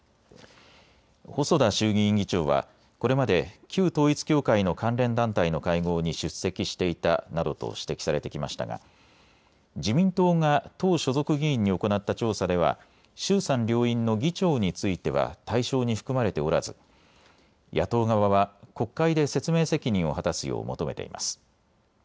細田衆議院議長はこれまで旧統一教会の関連団体の会合に出席していたなどと指摘されてきましたが自民党が党所属議員に行った調査では衆参両院の議長については対象に含まれておらず野党側は国会で説明責任を果たすよう求めています。